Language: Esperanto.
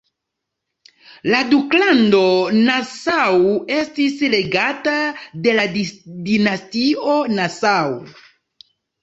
La duklando Nassau estis regata de la dinastio Nassau.